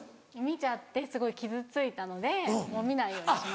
見ちゃってすごい傷ついたのでもう見ないようにしました。